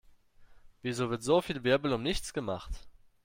Wieso wird so viel Wirbel um nichts gemacht?